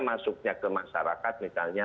masuknya ke masyarakat misalnya